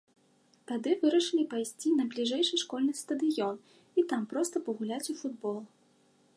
Тады вырашылі пайсці на бліжэйшы школьны стадыён і там проста пагуляць у футбол.